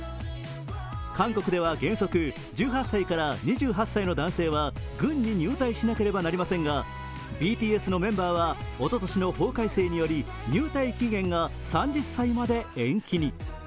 韓国では原則１８歳から２８歳の男性は軍に入隊しなければなりませんが、ＢＴＳのメンバーはおととしの法改正により入隊期限が３０歳まで延期に。